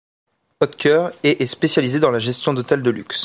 Oetker et est spécialisé dans la gestion d'hôtels de luxe.